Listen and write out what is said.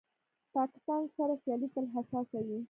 پاکستان سره سیالي تل حساسه وي.